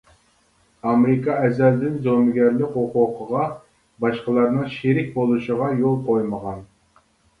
ئامېرىكا ئەزەلدىن زومىگەرلىك ھوقۇقىغا باشقىلارنىڭ شېرىك بولۇشىغا يول قويمىغان!